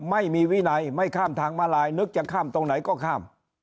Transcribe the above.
ไม่มีวินัยไม่ข้ามทางมาลายนึกจะข้ามตรงไหนก็ข้าม